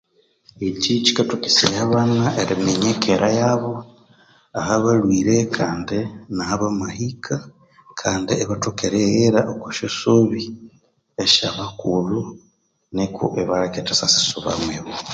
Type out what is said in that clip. Ekyi kyikathokesaya aban eriminya ekera yabo ahabalhwire kandi nahabamahika kandi ibathoka eryighira okwasyasobi esyabakulhu niko ibaleka erithasyasisubamwibo